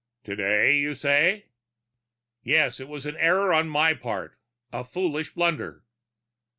"Today, you say?" "Yes. It was an error on my part. A foolish blunder."